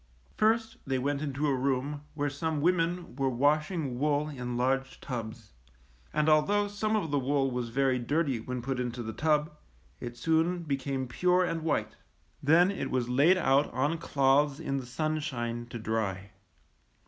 First they went into a room where some women were washing wool in large tubs; and although some of the wool was very dirty when put into the tub, it soon became pure and white. Then it was laid out on cloths in the sunshine to dry.